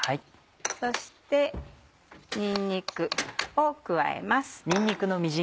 そしてにんにくを加えます。